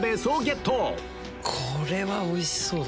これはおいしそうだ！